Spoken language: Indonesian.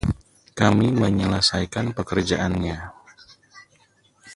Kami menyelesaikan pekerjaannya.